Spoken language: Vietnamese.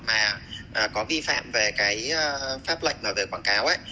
mà có vi phạm về cái pháp luật mà về quảng cáo ấy